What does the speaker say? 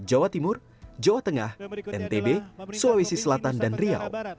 jawa timur jawa tengah ntb sulawesi selatan dan riau